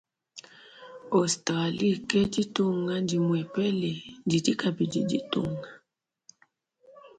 Australie ke ditunga dimuepele didi kabidi ditunga.